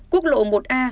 quốc lộ một a